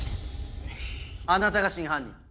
・あなたが真犯人